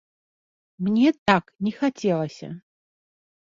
Мне так не хацелася!